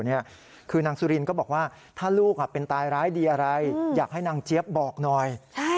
คือนางสุรินก็บอกว่าถ้าลูกเป็นตายร้ายดีอะไรอยากให้นางเจี๊ยบบอกหน่อย